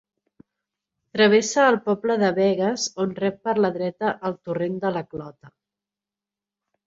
Travessa el poble de Begues on rep per la dreta el Torrent de la Clota.